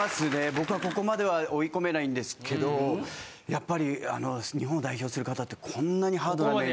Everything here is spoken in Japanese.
僕はここまでは追い込めないんですけどやっぱり日本を代表する方ってこんなにハードなメニュー。